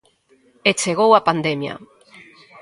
E chegou a pandemia.